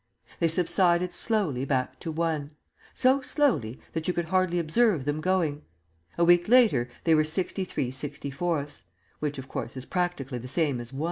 They subsided slowly back to 1 so slowly that you could hardly observe them going. A week later they were 63/64, which, of course, is practically the same as 1.